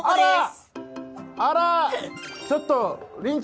あら！